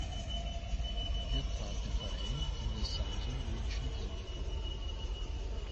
Hier trat der Verein in der Southern Region an.